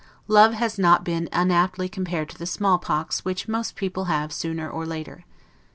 Love has not been unaptly compared to the smallpox which most people have sooner or later.